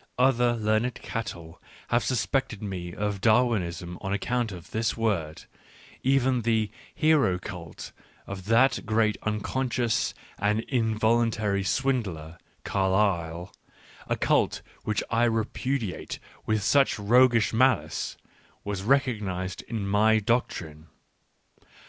... Other learned cattle have suspected me of Darwinism on account of this word : even the " hero cult " of that \ great unconscious and involuntaryswindler, Carlyle, ;— a cult which I repudiated with such roguish malice, — was recognised in my doctrine.